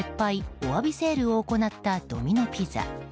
お詫びセールを行ったドミノ・ピザ。